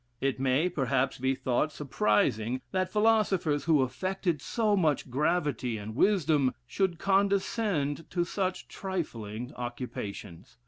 It may, perhaps, be thought surprising that philosophers, who affected so much gravity and wisdom, should condescend to such trifling occupations.